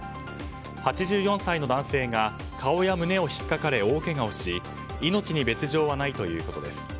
８４歳の男性が顔や胸を引っかかれ大けがをし命に別条はないということです。